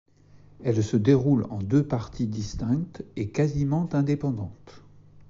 Elle se déroule en deux parties distinctes et quasiment indépendantes.